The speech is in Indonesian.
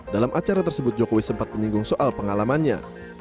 dalam acara tersebut jokowi sempat menyinggung soal pengalamannya